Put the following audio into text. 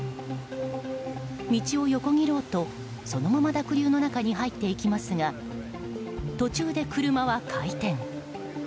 道を横切ろうとそのまま濁流の中に入っていきますが途中で車は回転。